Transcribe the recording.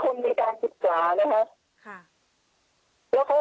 คนมีการศึกษานะฮะ